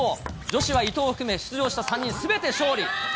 女子は伊藤を含め出場した３人がすべて勝利。